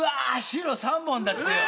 白３本だってよ。